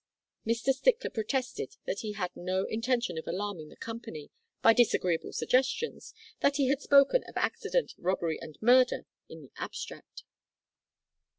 Mr Stickler protested that he had no intention of alarming the company by disagreeable suggestions, that he had spoken of accident, robbery, and murder in the abstract.